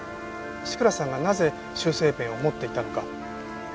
志倉さんがなぜ修正ペンを持っていたのか。